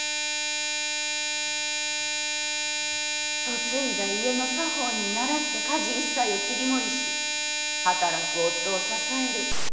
嫁いだ家の作法に倣って家事一切を切り盛りし働く夫を支える。